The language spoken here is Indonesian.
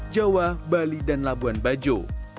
jawa bali dan labuan bajo